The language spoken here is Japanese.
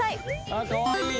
あっかわいい。